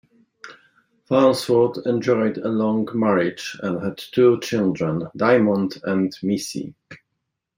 Farnsworth enjoyed a long marriage and had two children, Diamond and Missy.